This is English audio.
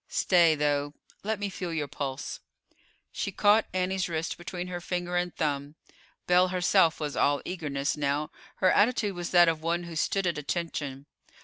Stay though, let me feel your pulse." She caught Annie's wrist between her finger and thumb. Belle herself was all eagerness now; her attitude was that of one who stood at attention.